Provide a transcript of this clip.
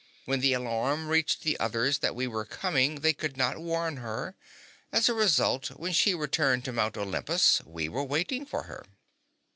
When the alarm reached the others that we were coming, they could not warn her. As a result, when she returned to Mount Olympus, we were waiting for her."